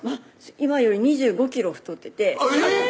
今より２５ｋｇ太っててえっ！